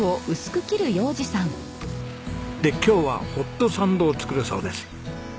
で今日はホットサンドを作るそうです。